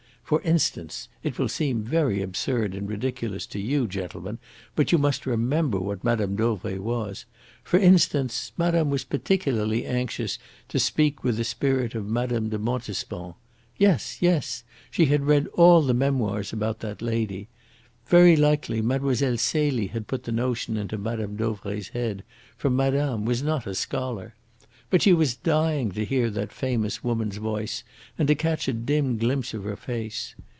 For instance it will seem very absurd and ridiculous to you, gentlemen, but you must remember what Mme. Dauvray was for instance, madame was particularly anxious to speak with the spirit of Mme. de Montespan. Yes, yes! She had read all the memoirs about that lady. Very likely Mlle. Celie had put the notion into Mme. Dauvray's head, for madame was not a scholar. But she was dying to hear that famous woman's voice and to catch a dim glimpse of her face.